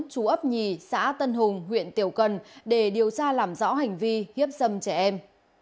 chú ấp nhì xã tân hùng huyện tiểu cần để điều tra làm rõ hành vi hiếp dâm trẻ em